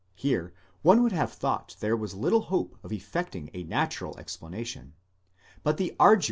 Here one would have thought there was little hope of effecting a natural explanation ; but the arduousness tS Ibid, ut sup.